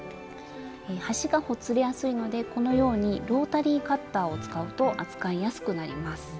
端がほつれやすいのでこのようにロータリーカッターを使うと扱いやすくなります。